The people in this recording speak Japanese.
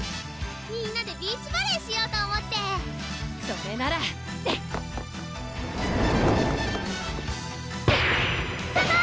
みんなでビーチバレーしようと思ってそれならサマー！